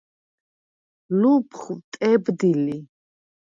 ლუფხუ̂ ტებდი ლი.